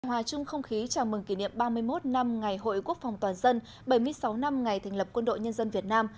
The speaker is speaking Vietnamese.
hòa chung không khí chào mừng kỷ niệm ba mươi một năm ngày hội quốc phòng toàn dân bảy mươi sáu năm ngày thành lập quân đội nhân dân việt nam